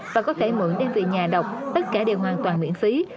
và có thể mượn đem về nhà đọc tất cả đều hoàn toàn miễn phí